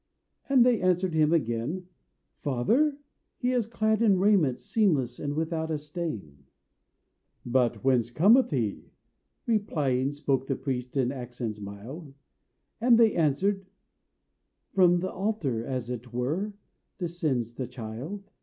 And they answered him again "Father, he is clad in raiment Seamless and without a stain!" "But whence cometh he?" replying Spoke the priest in accents mild; And they answered, "From the altar, As it were, descends the child.